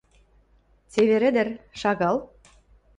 Цевер ӹдӹр, шагал!